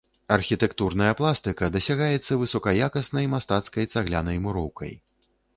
Архітэктурная пластыка дасягаецца высакаякаснай мастацкай цаглянай муроўкай.